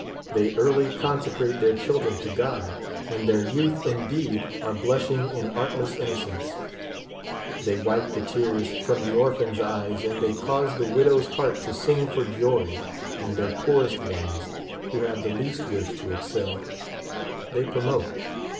They early consecrate their children to God, and their youth indeed are blushing in artless innocence ; they wipe the tears from the orpluin's eyes, and they cause the widow's heart to sing for jo}' ; and their poorest ones, who have the least wish to excel, they promote.